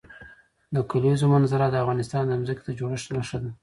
د کلیزو منظره د افغانستان د ځمکې د جوړښت نښه ده.